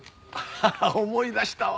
ハハッ思い出したわ！